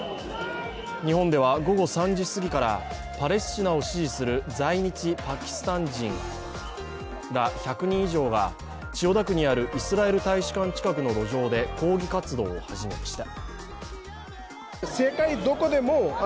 日本では午後３時すぎからパレスチナを支持する在日パキスタン人ら１００人以上が千代田区にあるイスラエル大使館近くの路上で抗議活動を始めました。